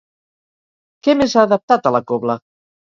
Què més ha adaptat a la cobla?